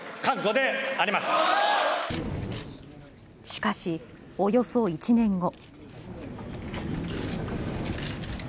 しかし、およそ１年後。